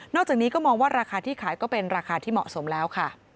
จากนี้ก็มองว่าราคาที่ขายก็เป็นราคาที่เหมาะสมแล้วค่ะ